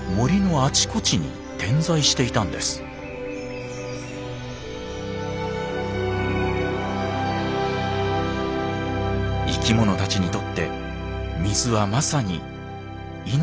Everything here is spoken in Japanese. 生き物たちにとって水はまさに命の源です。